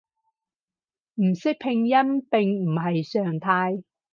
唔識拼音並唔係常態